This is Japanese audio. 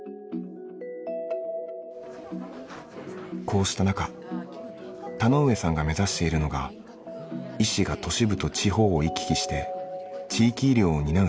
こうしたなか田上さんが目指しているのが医師が都市部と地方を行き来して地域医療を担う仕組みです。